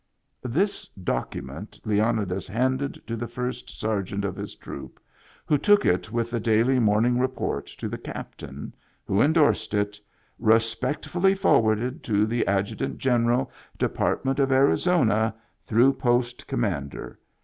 This document Leonidas handed to the first sergeant of his troop, who took it with the daily morning report to the captain, who indorsed it, " Respectfully forwarded to the Adjutant General Department of Arizona (through Post Comman der).